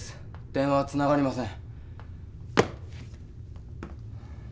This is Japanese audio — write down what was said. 電話はつながりません。